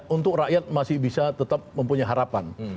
untuk rakyat masih bisa tetap mempunyai harapan